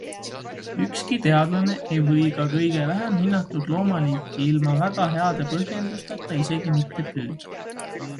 Ükski teadlane ei või ka kõige vähem hinnatud loomaliiki ilma väga heade põhjendusteta isegi mitte püüda.